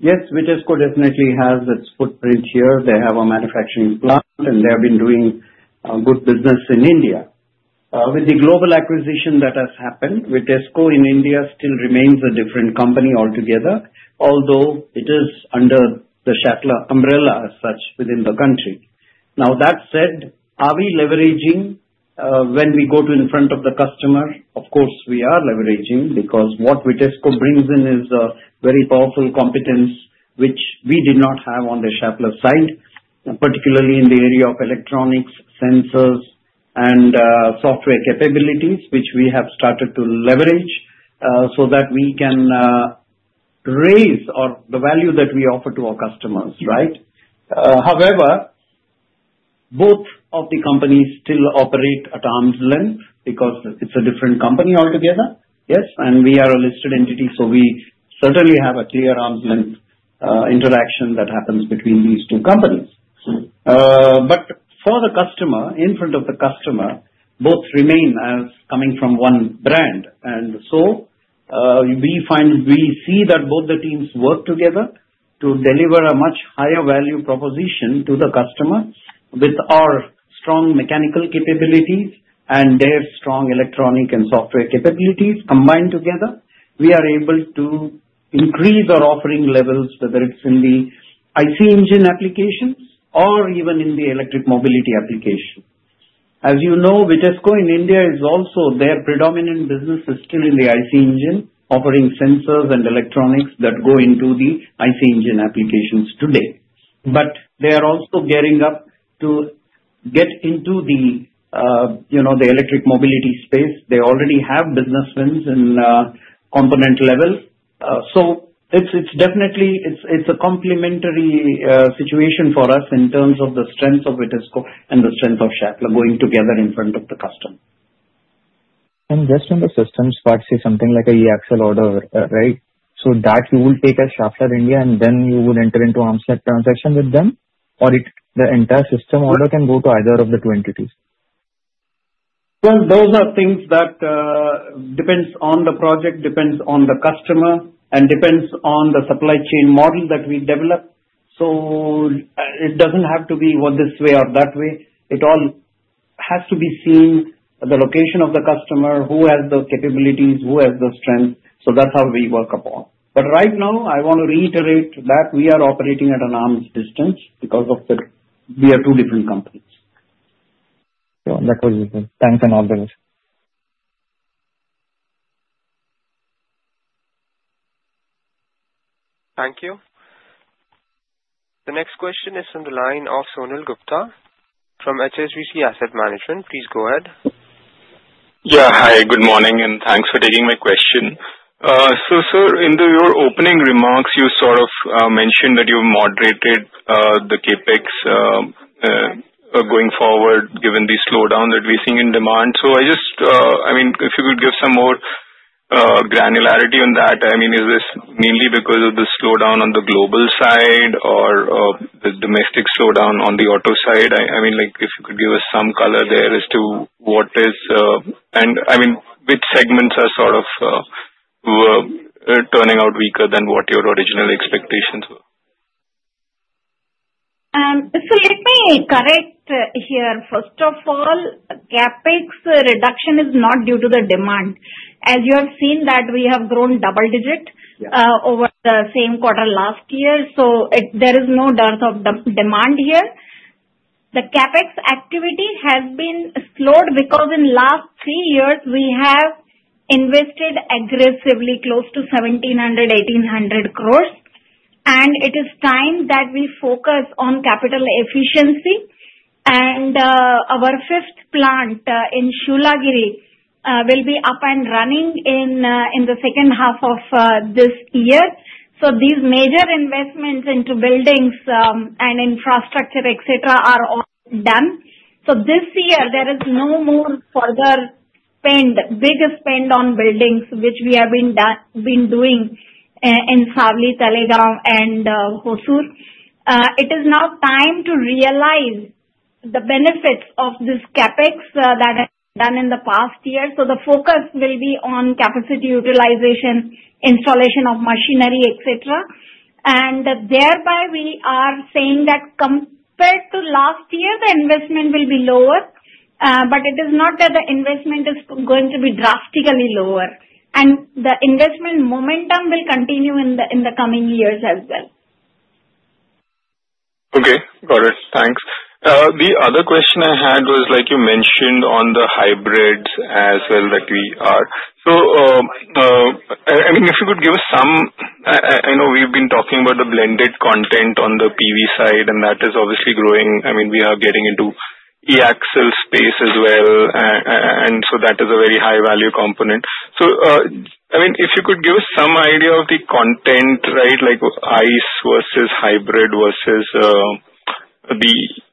Yes, Vitesco definitely has its footprint here. They have a manufacturing plant, and they have been doing good business in India. With the global acquisition that has happened, Vitesco in India still remains a different company altogether, although it is under the Schaeffler umbrella as such within the country. Now, that said, are we leveraging when we go to in front of the customer? Of course, we are leveraging because what Vitesco brings in is a very powerful competence which we did not have on the Schaeffler side, particularly in the area of electronics, sensors, and software capabilities, which we have started to leverage so that we can raise the value that we offer to our customers, right? However, both of the companies still operate at arm's length because it's a different company altogether, yes? And we are a listed entity, so we certainly have a clear arm's length interaction that happens between these two companies. But for the customer, in front of the customer, both remain as coming from one brand. And so we see that both the teams work together to deliver a much higher value proposition to the customer. With our strong mechanical capabilities and their strong electronic and software capabilities combined together, we are able to increase our offering levels, whether it's in the ICE engine applications or even in the electric mobility application. As you know, Vitesco in India is also their predominant business is still in the ICE engine, offering sensors and electronics that go into the ICE engine applications today. But they are also gearing up to get into the electric mobility space. They already have business wins in component level. It's definitely a complementary situation for us in terms of the strength of Vitesco and the strength of Schaeffler going together in front of the customer. And just on the systems part, say something like an e-axle order, right? So that you would take a Schaeffler India, and then you would enter into arm's length transaction with them, or the entire system order can go to either of the two entities? Those are things that depends on the project, depends on the customer, and depends on the supply chain model that we develop. So it doesn't have to be this way or that way. It all has to be seen, the location of the customer, who has the capabilities, who has the strength. So that's how we work upon. But right now, I want to reiterate that we are operating at an arm's distance because we are two different companies. Sure. That was the thanks and all the rest. Thank you. The next question is from the line of Sunil Gupta from HSBC Asset Management. Please go ahead. Yeah. Hi, good morning, and thanks for taking my question. So sir, in your opening remarks, you sort of mentioned that you've moderated the CapEx going forward given the slowdown that we're seeing in demand. So I mean, if you could give some more granularity on that, I mean, is this mainly because of the slowdown on the global side or the domestic slowdown on the auto side? I mean, if you could give us some color there as to what is and I mean, which segments are sort of turning out weaker than what your original expectations were? Let me correct here. First of all, CapEx reduction is not due to the demand. As you have seen that we have grown double-digit over the same quarter last year, so there is no dearth of demand here. The CapEx activity has been slowed because in the last three years, we have invested aggressively close to 1,700-1,800 crores. It is time that we focus on capital efficiency. Our fifth plant in Shoolagiri will be up and running in the second half of this year. These major investments into buildings and infrastructure, etc., are all done. This year, there is no more further spend, big spend on buildings, which we have been doing in Savli, Talegaon, and Hosur. It is now time to realize the benefits of this CapEx that has been done in the past year. So the focus will be on capacity utilization, installation of machinery, etc. And thereby, we are saying that compared to last year, the investment will be lower, but it is not that the investment is going to be drastically lower. And the investment momentum will continue in the coming years as well. Okay. Got it. Thanks. The other question I had was, like you mentioned on the hybrids as well that we are. So I mean, if you could give us some. I know we've been talking about the blended content on the PV side, and that is obviously growing. I mean, we are getting into e-axle space as well. And so that is a very high-value component. So I mean, if you could give us some idea of the content, right, like ICE versus hybrid versus the,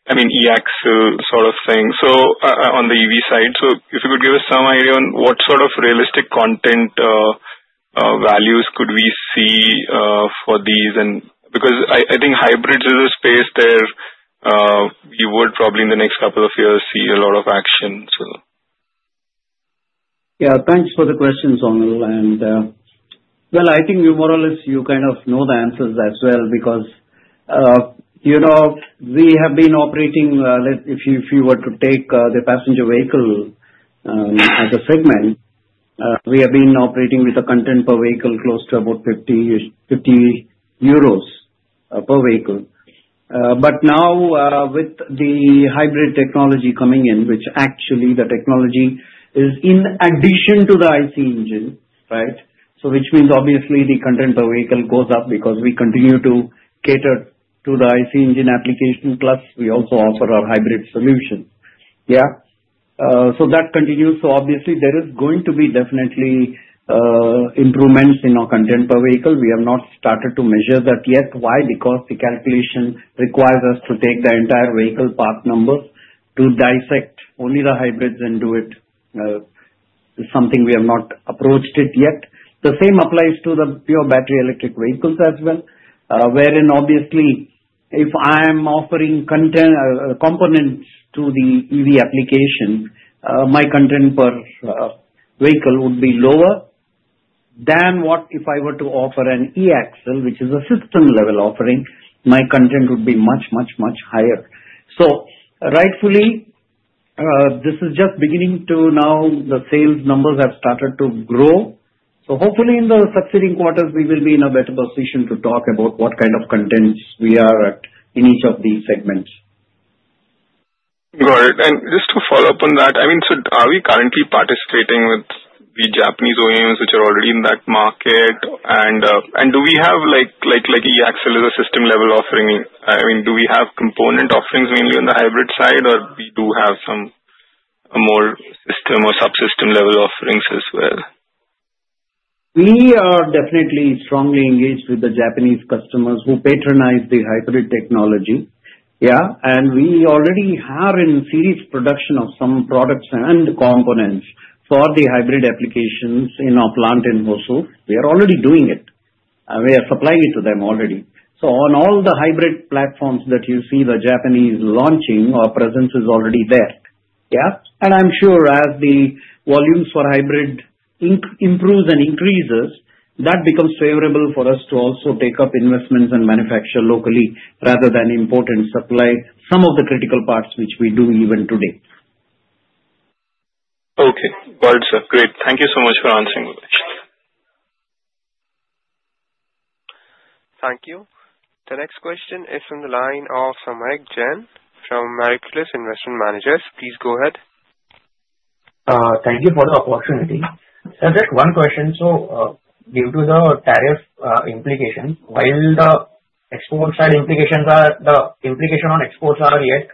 I mean, e-axle sort of thing on the EV side. So if you could give us some idea on what sort of realistic content values could we see for these? Because I think hybrids is a space there you would probably in the next couple of years see a lot of action, so. Yeah. Thanks for the questions, Sunil. And well, I think more or less you kind of know the answers as well because we have been operating if you were to take the passenger vehicle as a segment, we have been operating with a content per vehicle close to about 50 euros per vehicle. But now with the hybrid technology coming in, which actually the technology is in addition to the ICE engine, right? So which means obviously the content per vehicle goes up because we continue to cater to the ICE engine application plus we also offer our hybrid solution. Yeah. So that continues. So obviously, there is going to be definitely improvements in our content per vehicle. We have not started to measure that yet. Why? Because the calculation requires us to take the entire vehicle part numbers to dissect only the hybrids and do it. It's something we have not approached it yet. The same applies to the pure battery electric vehicles as well, wherein obviously if I am offering components to the EV application, my content per vehicle would be lower than what if I were to offer an e-axle, which is a system-level offering. My content would be much, much, much higher. So rightfully, this is just beginning to now the sales numbers have started to grow. So hopefully in the succeeding quarters, we will be in a better position to talk about what kind of contents we are in each of these segments. Got it. And just to follow up on that, I mean, so are we currently participating with the Japanese OEMs which are already in that market? And do we have like e-axle as a system-level offering? I mean, do we have component offerings mainly on the hybrid side, or do we have some more system or subsystem-level offerings as well? We are definitely strongly engaged with the Japanese customers who patronize the hybrid technology. Yeah, and we already have in series production of some products and components for the hybrid applications in our plant in Hosur. We are already doing it. We are supplying it to them already, so on all the hybrid platforms that you see the Japanese launching, our presence is already there. Yeah, and I'm sure as the volumes for hybrid improves and increases, that becomes favorable for us to also take up investments and manufacture locally rather than import and supply some of the critical parts which we do even today. Okay. Got it, sir. Great. Thank you so much for answering the question. Thank you. The next question is from the line of Samyak Jain from Marcellus Investment Managers. Please go ahead. Thank you for the opportunity. Just one question. So due to the tariff implications, while the export side implications on exports are yet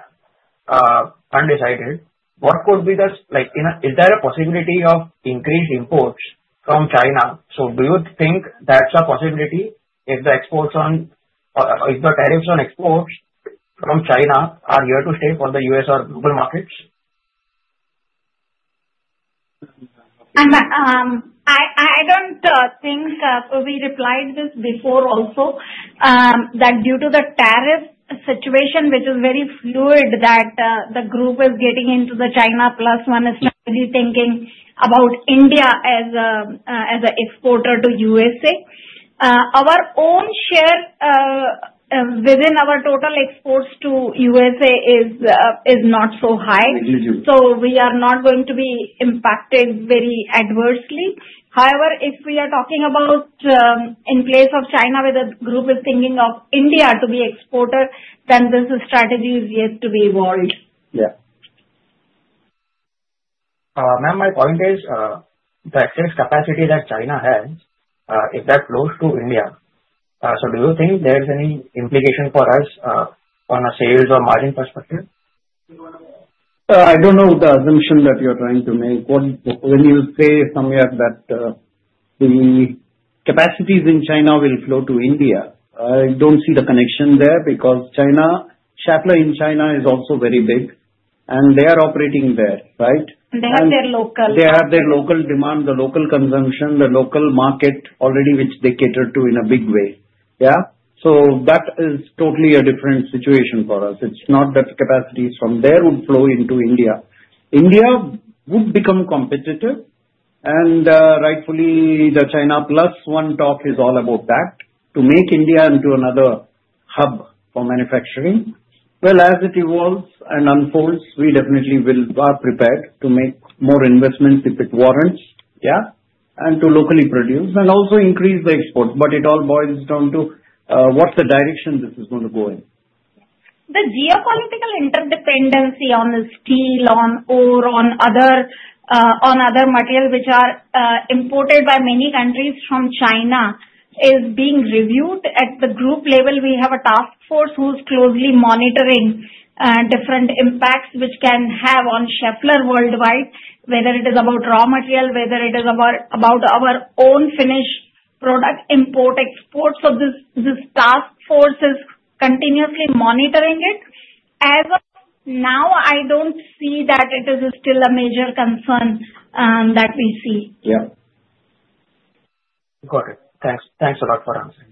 undecided, what could be? Is there a possibility of increased imports from China? So do you think that's a possibility if the tariffs on exports from China are here to stay for the U.S. or global markets? I don't think we replied to this before also, that due to the tariff situation, which is very fluid, that the group is getting into the China Plus One [AUDIO DISTORTION] is probably thinking about India as an exporter to U.S.A. Our own share within our total exports to U.S.A. is not so high. So we are not going to be impacted very adversely. However, if we are talking about in place of China, where the group is thinking of India to be exporter, then this strategy is yet to be evolved. Yeah. Ma'am, my point is the excess capacity that China has, if that flows to India, so do you think there is any implication for us on a sales or margin perspective? I don't know the assumption that you're trying to make. When you say somewhere that the capacities in China will flow to India, I don't see the connection there because Schaeffler in China is also very big, and they are operating there, right? They have their local demand. They have their local demand, the local consumption, the local market already, which they cater to in a big way. Yeah, so that is totally a different situation for us. It's not that the capacities from there would flow into India. India would become competitive, and rightfully, the China Plus One talk is all about that to make India into another hub for manufacturing. Well, as it evolves and unfolds, we definitely will be prepared to make more investments if it warrants, yeah, and to locally produce and also increase the exports. But it all boils down to what's the direction this is going to go in. The geopolitical interdependency on steel, on ore, on other materials which are imported by many countries from China is being reviewed at the group level. We have a task force who's closely monitoring different impacts which can have on Schaeffler worldwide, whether it is about raw material, whether it is about our own finished product import, export. So this task force is continuously monitoring it. As of now, I don't see that it is still a major concern that we see. Yeah. Got it. Thanks. Thanks a lot for answering.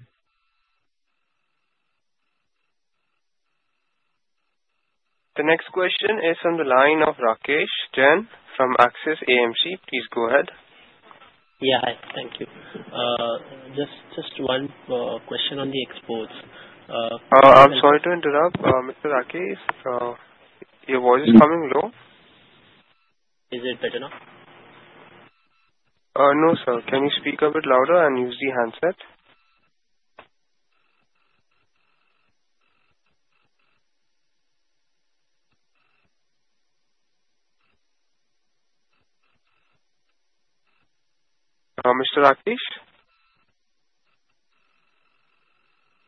The next question is from the line of Rakesh Jain from Axis AMC. Please go ahead. Yeah. Hi. Thank you. Just one question on the exports. I'm sorry to interrupt. Mr. Rakesh, your voice is coming low. Is it better now? No, sir. Can you speak a bit louder and use the handset? Mr. Rakesh?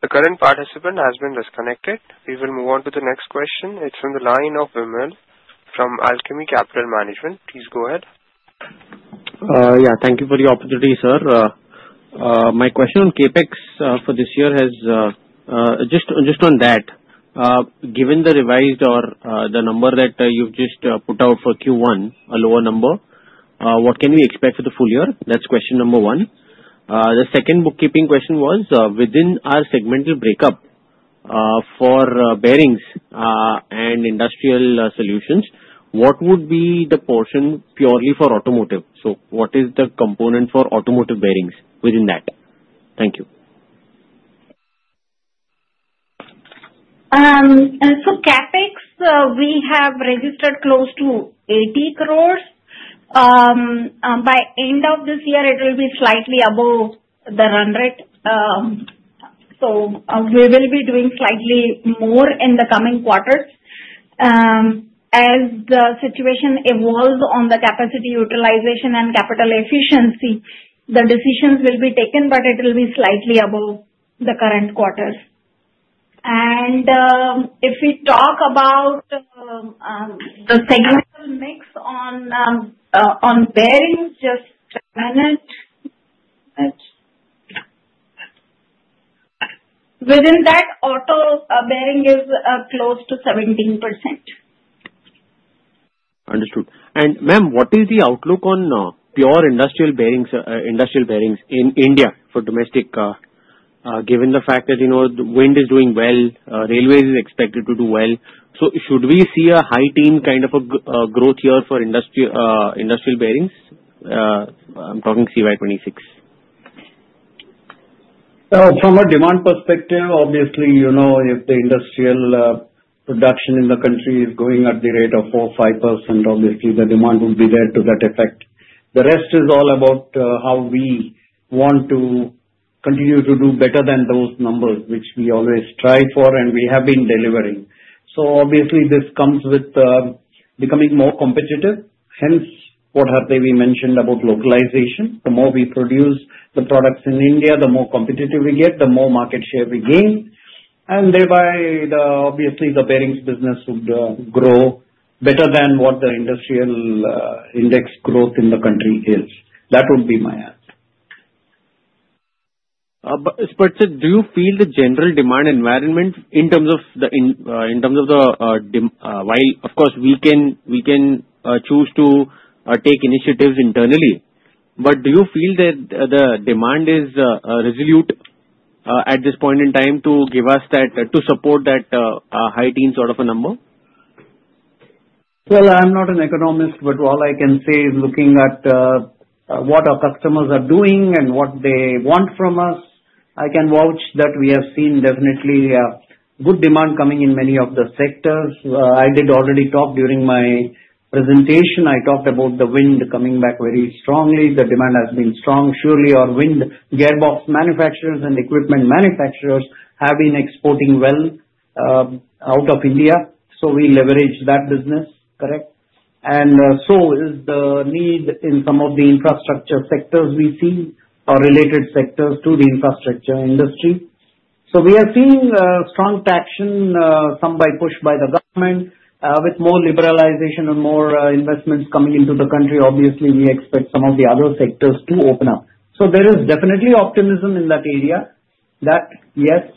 The current participant has been disconnected. We will move on to the next question. It's from the line of Vimal from Alchemy Capital Management. Please go ahead. Yeah. Thank you for the opportunity, sir. My question on CapEx for this year has just on that, given the revised or the number that you've just put out for Q1, a lower number, what can we expect for the full year? That's question number one. The second bookkeeping question was within our segmental breakup for bearings and industrial solutions, what would be the portion purely for automotive? So what is the component for automotive bearings within that? Thank you. So, CapEx, we have registered close to 80 crores. By end of this year, it will be slightly above the run rate. So we will be doing slightly more in the coming quarters. As the situation evolves on the capacity utilization and capital efficiency, the decisions will be taken, but it will be slightly above the current quarter. And if we talk about the segmental mix on bearings, just a minute. Within that, auto bearing is close to 17%. Understood. And ma'am, what is the outlook on pure industrial bearings in India for domestic, given the fact that the wind is doing well, railways are expected to do well? So should we see a high-teens kind of a growth here for industrial bearings? I'm talking CY 2026. From a demand perspective, obviously, if the industrial production in the country is going at the rate of 4%-5%, obviously the demand would be there to that effect. The rest is all about how we want to continue to do better than those numbers, which we always strive for and we have been delivering. So obviously, this comes with becoming more competitive. Hence, what Hardevi mentioned about localization. The more we produce the products in India, the more competitive we get, the more market share we gain. And thereby, obviously, the bearings business would grow better than what the industrial index growth in the country is. That would be my answer. But, sir, do you feel the general demand environment in terms of the whole, while, of course, we can choose to take initiatives internally, but do you feel that the demand is robust at this point in time to give us that to support that high-teens sort of a number? I'm not an economist, but all I can say is looking at what our customers are doing and what they want from us, I can vouch that we have seen definitely good demand coming in many of the sectors. I did already talk during my presentation. I talked about the wind coming back very strongly. The demand has been strong. Surely our wind gearbox manufacturers and equipment manufacturers have been exporting well out of India. So we leverage that business, correct? And so is the need in some of the infrastructure sectors we see or related sectors to the infrastructure industry. So we are seeing strong traction, some by push by the government with more liberalization and more investments coming into the country. Obviously, we expect some of the other sectors to open up. So, there is definitely optimism in that area that, yes,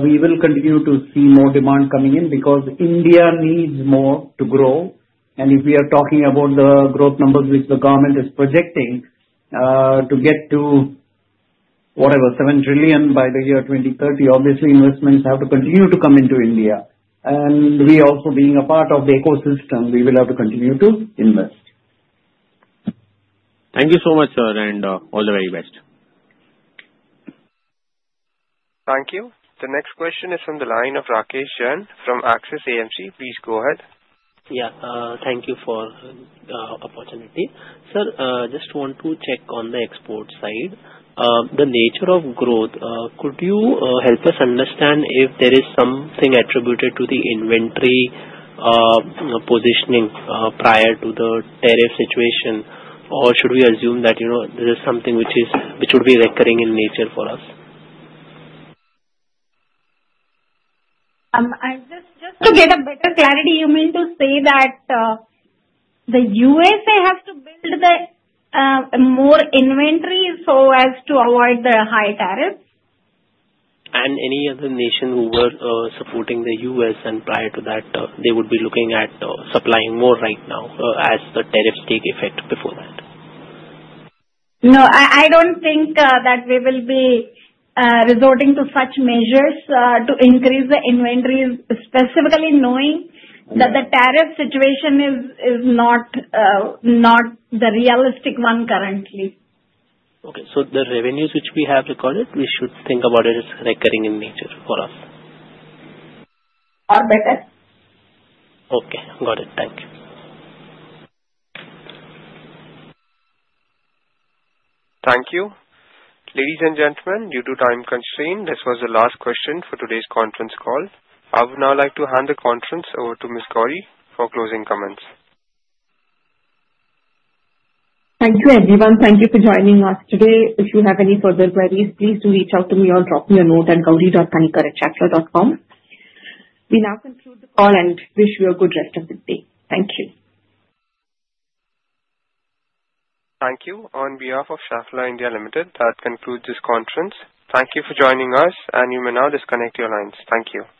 we will continue to see more demand coming in because India needs more to grow. And if we are talking about the growth numbers which the government is projecting to get to whatever, seven trillion by the year 2030, obviously investments have to continue to come into India. And we also, being a part of the ecosystem, we will have to continue to invest. Thank you so much, sir, and all the very best. Thank you. The next question is from the line of Rakesh Jain from Axis AMC. Please go ahead. Yeah. Thank you for the opportunity. Sir, just want to check on the export side. The nature of growth, could you help us understand if there is something attributed to the inventory positioning prior to the tariff situation, or should we assume that this is something which should be recurring in nature for us? I'm just to get a better clarity, you mean to say that the U.S.A. has to build more inventory so as to avoid the high tariffs? And any other nation who were supporting the U.S. and prior to that, they would be looking at supplying more right now as the tariffs take effect before that? No, I don't think that we will be resorting to such measures to increase the inventories, specifically knowing that the tariff situation is not the realistic one currently. Okay. So the revenues which we have recorded, we should think about it as recurring in nature for us? Or better. Okay. Got it. Thank you. Thank you. Ladies and gentlemen, due to time constraint, this was the last question for today's conference call. I would now like to hand the conference over to Ms. Gauri for closing comments. Thank you, everyone. Thank you for joining us today. If you have any further queries, please do reach out to me or drop me a note at gauri.kanikar@schaeffler.com. We now conclude the call and wish you a good rest of the day. Thank you. Thank you. On behalf of Schaeffler India Limited, that concludes this conference. Thank you for joining us, and you may now disconnect your lines. Thank you.